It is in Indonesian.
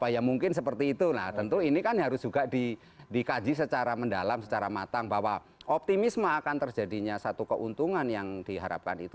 yang sudah bergabung bersama kami melalui sambungan telepon